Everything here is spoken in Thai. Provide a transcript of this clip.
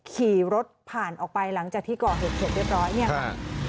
ขี่รถผ่านออกไปหลังจากที่กเหตุเสร็จเรียบร้อย